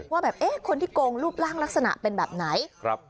ว่าแบบเอ๊ะคนที่โกงรูปร่างลักษณะเป็นแบบไหน